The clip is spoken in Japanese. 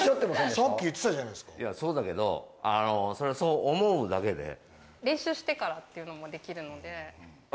さっき言ってたじゃないですかそうだけどあのそれはそう思うだけで練習してからっていうのもできるのであ